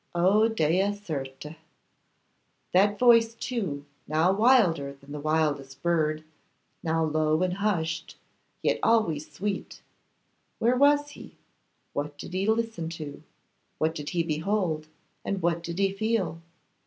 O dea certè! That voice, too, now wilder than the wildest bird, now low and hushed, yet always sweet; where was he, what did he listen to, what did he behold, what did he feel?